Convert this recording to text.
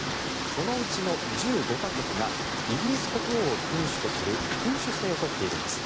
そのうちの１５か国がイギリス国王を君主とする君主制を取っているんです。